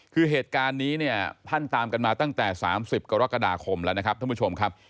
คือเหตุการณ์นี้เนี่ยท่านตามกันมาตั้งแต่๓๐กรกฎาคมแล้วนะครับท่านผู้ชมครับ